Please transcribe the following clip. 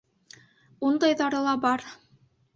Ундайҙары ла бар!